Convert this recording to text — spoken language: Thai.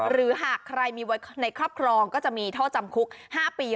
หรือหากใครมีไว้ในครอบครองก็จะมีโทษจำคุก๕ปี